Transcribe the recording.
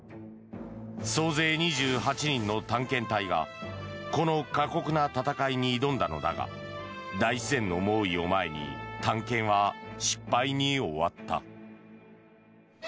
総勢２８人の探検隊がこの過酷な闘いに挑んだのだが大自然の猛威を前に探検は失敗に終わった。